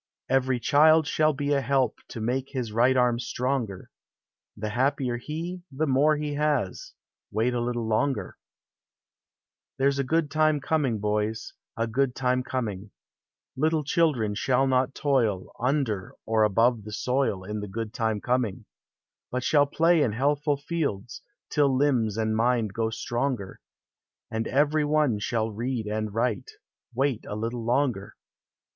Every child shall be a help To make his right arm stronger ; The happier he, the more he has ;— Wait a little longer. LABOR AXD REST. 401 There \s a good time coming, boys, A good time coming: Little children shall not toil Under, or above, the soil In the good time coming ; But shall play in healthful fields, Till limbs and mind grow stronger ; And every one shall read and write; — Wait a little longer.